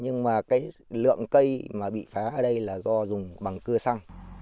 nhưng mà cái lượng cây mà bị phá ở đây là do dùng bằng cưa xăng